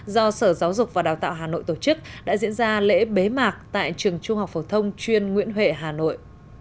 do sở giáo dục và đào tạo hà nội tổ chức đã diễn ra lễ bế mạc tại trường trung học phổ thông chuyên nguyễn huệ hà nội